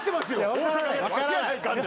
大阪でワシやないかって。